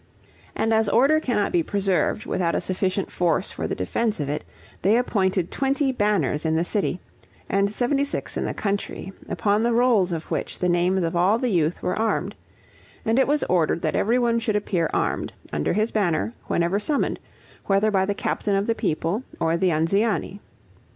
And as order cannot be preserved without a sufficient force for the defense of it, they appointed twenty banners in the city, and seventy six in the country, upon the rolls of which the names of all the youth were armed; and it was ordered that everyone should appear armed, under his banner, whenever summoned, whether by the captain of the people or the Anziani.